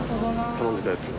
頼んでたやつを。